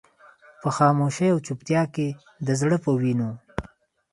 په خاموشۍ او چوپتيا کې د زړه په وينو.